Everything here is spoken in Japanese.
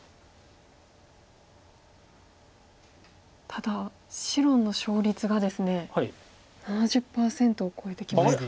ただ白の勝率がですね７０％を超えてきました。